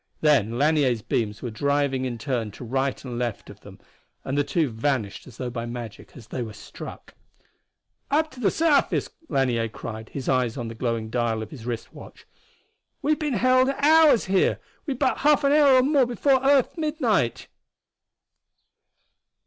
Then Lanier's beams were driving in turn to right and left of them and the two vanished as though by magic as they were struck. "Up to the surface!" Lanier cried, his eyes on the glowing dial of his wrist watch. "We've been held hours here we've but a half hour or more before earth midnight!"